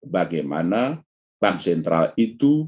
bagaimana bank sentral itu